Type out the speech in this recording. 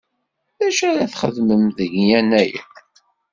D acu ara txedmem deg Yennayer?